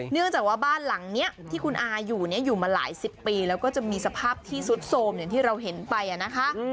เนื่องจากว่าบ้านหลังนี้ที่คุณอาอยู่เนี่ยอยู่มาหลายสิบปีแล้วก็จะมีสภาพที่สุดโทรมอย่างที่เราเห็นไปนะคะ